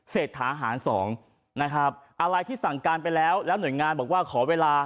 เศษท้าหาร๒อะไรที่สั่งการไปแล้วแล้วหน่วยงานบอกว่าขอเวลา